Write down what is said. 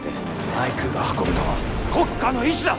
マイクが運ぶのは国家の意思だ！